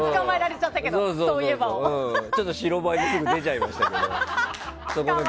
ちょっと白バイが出ちゃいましたけど。